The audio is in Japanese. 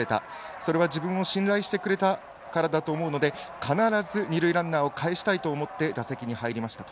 それは自分を信頼してくれたからだと思うので必ず二塁ランナーをかえしたいと思って打席に入りました。